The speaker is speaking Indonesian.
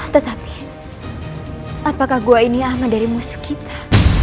tetapi apakah gua ini aman dari musuh kita